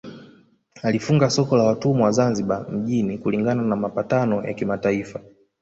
Alifunga soko la watumwa Zanzibar mjini kulingana na mapatano ya kimataifa